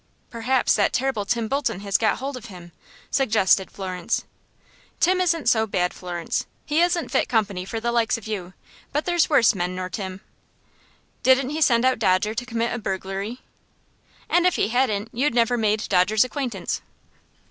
"Perhaps that terrible Tim Bolton has got hold of him," suggested Florence. "Tim isn't so bad, Florence. He isn't fit company for the likes of you, but there's worse men nor Tim." "Didn't he send out Dodger to commit a burglary?" "And if he hadn't you'd never made Dodger's acquaintance."